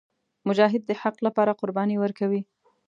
مجاهد د حق لپاره قرباني ورکوي.